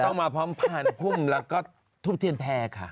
ต้องมาพร้อมพานพุ่มแล้วก็ทูบเทียนแพร่ค่ะ